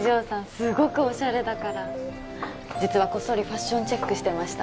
すごくオシャレだから実はこっそりファッションチェックしてました